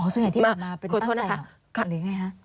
อ๋อส่วนใหญ่ที่ผ่านมาเป็นตั้งใจหรือไงคะ